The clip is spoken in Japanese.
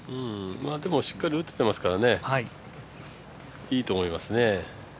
でもしっかり打てていますからいいと思いますね。